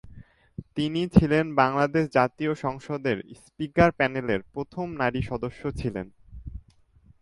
তিনি ছিলেন বাংলাদেশ জাতীয় সংসদের স্পিকার প্যানেলের প্রথম নারী সদস্য ছিলেন।